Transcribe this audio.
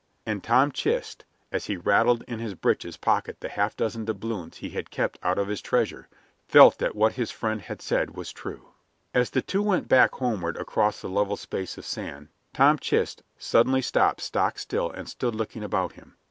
And Tom Chist, as he rattled in his breeches pocket the half dozen doubloons he had kept out of his treasure, felt that what his friend had said was true. As the two went back homeward across the level space of sand Tom Chist suddenly stopped stock still and stood looking about him.